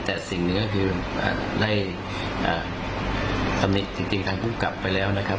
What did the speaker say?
แต่สิ่งนี้น่ะคือได้จำนึกจริงจริงทางผู้กลับไปแล้วนะครับ